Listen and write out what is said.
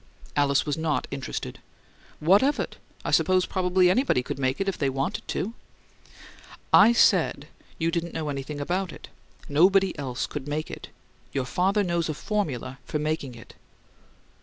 Alice was not interested. "What of it? I suppose probably anybody could make it if they wanted to." "I SAID you didn't know anything about it. Nobody else could make it. Your father knows a formula for making it."